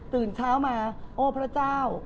ตื่นเช้ามาโอ้พระเจ้า